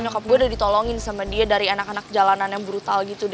kok gue udah ditolongin sama dia dari anak anak jalanan yang brutal gitu